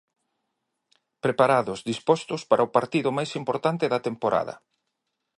Preparados, dispostos para o partido máis importante da temporada.